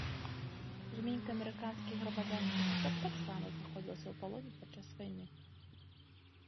Жменька амерыканскіх грамадзянскіх асоб таксама знаходзілася ў палоне падчас вайны.